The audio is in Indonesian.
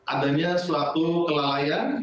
adanya suatu kelalaian